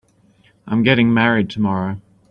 I'm getting married tomorrow.